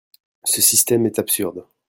Ce système est absurde